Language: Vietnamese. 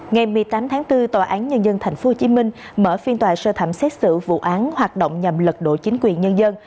ngày một mươi tám tháng bốn tòa án nhân dân tp hcm mở phiên tòa sơ thẩm xét xử vụ án hoạt động nhằm lật đổ chính quyền nhân dân